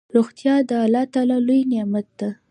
روغتيا دالله لوي نعمت ده